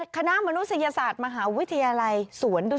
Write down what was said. ขนาวมนุษยศาสตร์มหาวิทยาลัยสวนดุสิต